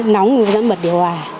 chắc nóng thì phải dẫn bật điều hòa